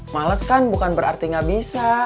males kan bukan berarti gak bisa